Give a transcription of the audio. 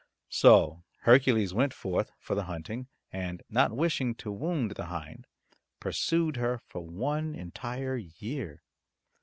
So Hercules went forth for the hunting and, not wishing to wound the hind, pursued her for one entire year.